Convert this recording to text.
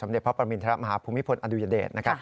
สำเร็จพระประมินทรัพย์มหาภูมิพลอดูยเดชน์